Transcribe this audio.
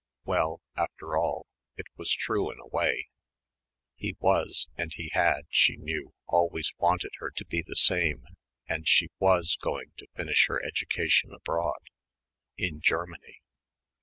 Well, after all, it was true in a way. He was and he had, she knew, always wanted her to be the same and she was going to finish her education abroad ... in Germany....